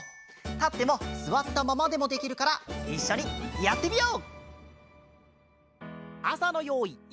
たってもすわったままでもできるからいっしょにやってみよう！